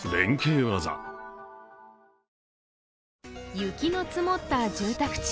雪の積もった住宅地。